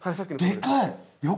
でかい！